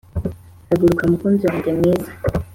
” Haguruka mukunzi wanjye mwiza